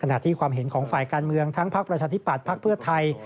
ที่ความเห็นของฝ่ายการเมืองทั้งพักประชาธิปัตย์พักเพื่อไทย